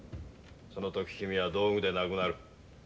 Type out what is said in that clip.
その時君は道具でなくなる。